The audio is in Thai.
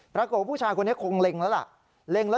ปรากฏว่าผู้ชายคนนี้คงเล็งแล้วล่ะ